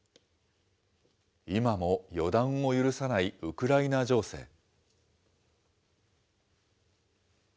今も予断を許さないウクライナ情勢。